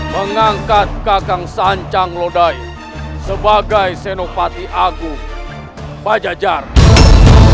mengangkat kakang sancang lodaya sebagai senopati aku pada jalan